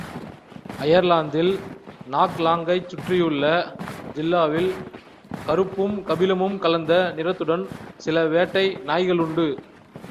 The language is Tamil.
அயர்லாந்தில் நாக்லாங்கைச் சுற்றியுள்ள ஜில்லாவில் கறுப்பும் கபிலமும் கலந்த நிறத்துடன் சில வேட்டை நாய்களுண்டு.